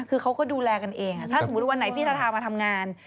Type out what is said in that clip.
คือเขาก็ดูแลกันเองถ้าสมมุติวันไหนพี่ทาทามาทำงาน